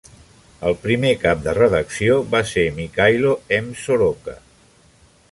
El primer cap de redacció va ser Mykhailo M. Soroka.